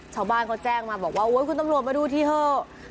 ชาวบ้านเขาแจ้งมาบอกว่าโอ๊ยคุณตำรวจมาดูทีเถอะ